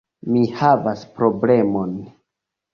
Mi havas problemon!